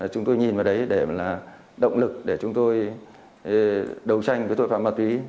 chúng tôi nhìn vào đấy để là động lực để chúng tôi đấu tranh với tội phạm ma túy